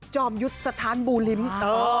จอมยุทธสถานบูริมต้อ